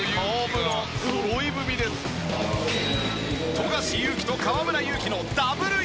富樫勇樹と河村勇輝のＷユウキ。